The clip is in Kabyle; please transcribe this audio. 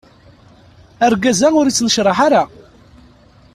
Argaz-a ur ittnecraḥ ara.